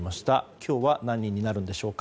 今日は何人になるんでしょうか。